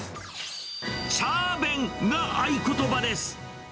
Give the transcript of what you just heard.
チャー弁が合言葉です。